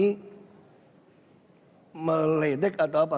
ini meledek atau apa